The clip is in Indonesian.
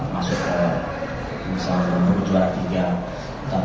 misukuri karena dengan